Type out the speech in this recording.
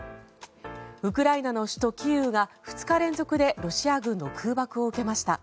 ウクライナの首都キーウが２日連続でロシア軍の空爆を受けました。